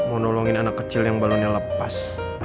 mau nolongin anak kecil yang balonnya lepas